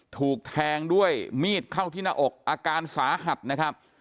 ถูกแทงด้วยมีดเข้าที่หน้าอกอาการสาหัสนะครับ